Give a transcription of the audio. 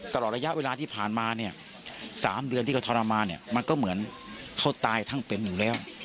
ตลอดระยะเวลาที่ผ่านมาเนี่ย๓เดือนที่เขาทรมานเนี่ยมันก็เหมือนเขาตายทั้งเป็นอยู่แล้ว